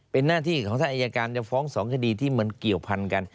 เป็นหน้าที่ของท่านอายการจะฟ้อง๒คดีที่มันเกี่ยวพันกัน